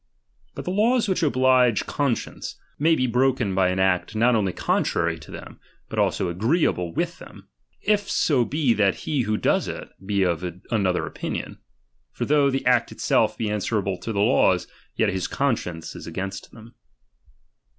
But the laws which oblige conscience, may tiDi» brcicii hy bc broken by an act not only contrary to them, but "tiiM?I^s. "also a^eeable with them; if so be that he who does it, be of another opinion. For though the act itself be answerable to the laws, yet his conscience is against them.